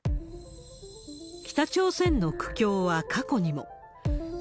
北朝鮮の苦境は過去にも。